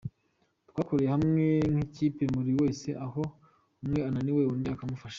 Twakoreye hamwe nk’ikipe, buri wese aho umwe ananiwe undi akamufasha.